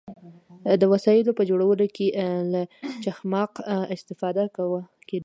د وسایلو په جوړولو کې له چخماق استفاده کیده.